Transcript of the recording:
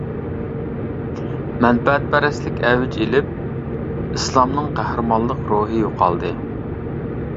مەنپەئەتپەرەسلىك ئەۋج ئېلىپ، ئىسلامنىڭ قەھرىمانلىق روھى يوقالدى.